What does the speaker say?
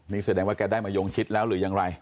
นี่แสดงว่าแกได้มายงชิดแล้วหรือยังไร